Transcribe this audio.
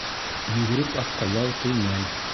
Йүгерек атҡа ял теймәй.